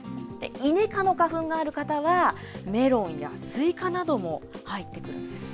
イネ科の花粉がある方は、メロンやスイカなども入ってくるんですね。